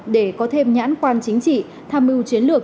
để có thêm nhãn quan chính trị tham mưu chiến lược